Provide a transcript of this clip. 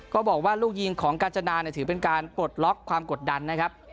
บอกว่าลูกยิงของกาญจนาเนี่ยถือเป็นการปลดล็อกความกดดันนะครับ